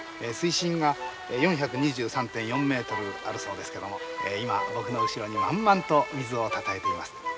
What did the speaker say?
水深が４２３．４ｍあるそうですけども今僕の後ろに満々と水をたたえています。